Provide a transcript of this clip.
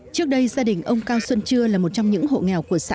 trước đây gia đình ông cao xuân chưa là một trong những hộ nghèo của xã